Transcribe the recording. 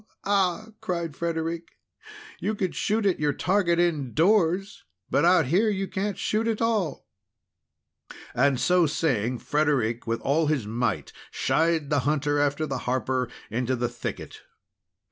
Ah!" cried Frederic. "You could shoot at your target in doors, but out here, you can't shoot at all!" And so saying, Frederic, with all his might, shied the hunter after the harper into the thicket.